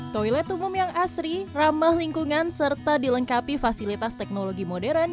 toilet umum yang asri ramah lingkungan serta dilengkapi fasilitas teknologi modern